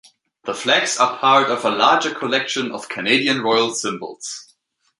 The flags are part of a larger collection of Canadian royal symbols.